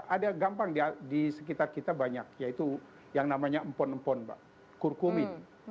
ada gampang di sekitar kita banyak yaitu yang namanya empon empon mbak kurkumin